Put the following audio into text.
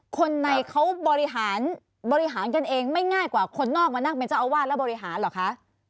คนในเขาบริหารบริหารกันเองไม่ง่ายกว่าคนนอกมานั่งเป็นเจ้าอาวาสแล้วบริหารเหรอคะ